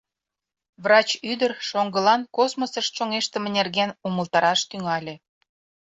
Врач ӱдыр шоҥгылан космосыш чоҥештыме нерген умылтараш тӱҥале.